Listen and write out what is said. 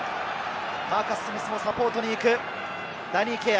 マーカス・スミスもサポートに行く、ダニー・ケア。